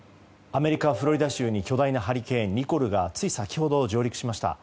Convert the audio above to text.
アメリカ・フロリダ州に巨大なハリケーン、ニコルがつい先ほど上陸しました。